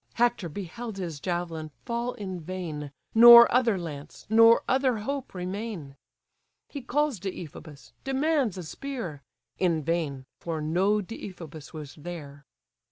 Hector beheld his javelin fall in vain, Nor other lance, nor other hope remain; He calls Deiphobus, demands a spear— In vain, for no Deiphobus was there.